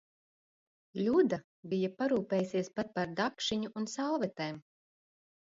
Ļuda bija parūpējusies pat par dakšiņu un salvetēm.